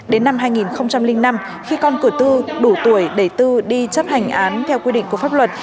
đến năm hai nghìn năm khi con cử tư đủ tuổi để tư đi chấp hành án theo quy định của pháp luật